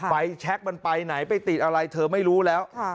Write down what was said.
แชคมันไปไหนไปติดอะไรเธอไม่รู้แล้ว